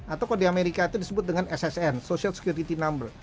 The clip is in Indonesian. atau kalau di amerika itu disebut dengan ssn social security number